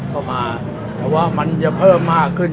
เข้ามาแต่ว่ามันจะเพิ่มมากขึ้น